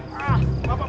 pak pak pak